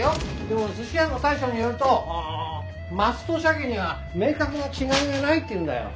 でも寿司屋の大将によるとマスとシャケには明確な違いがないって言うんだよ。